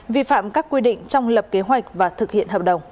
vi phạm các quy định trong lập kế hoạch và thực hiện hợp đồng